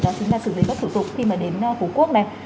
đó chính là xử lý các thủ tục khi mà đến phú quốc này